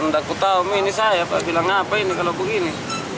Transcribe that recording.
dan aku tahu ini saya bilang apa ini kalau begini